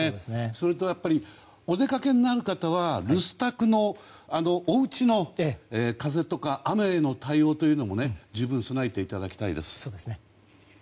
それと、お出かけになる方は留守宅のおうちの風とか雨の対応というのも十分備えていただきたいです。